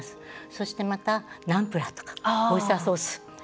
そしてまた、ナンプラーとかオイスターソース。